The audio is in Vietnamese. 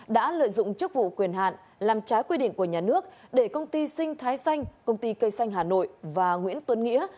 đã lợi dụng chức vụ quyền hạn làm trái quy định của nhà nước để công ty sinh thái xanh công ty cây xanh hà nội và nguyễn tuấn nghĩa